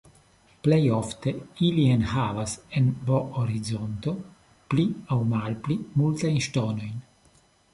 Plej ofte ili enhavas en B-horizonto pli aŭ malpli multajn ŝtonojn.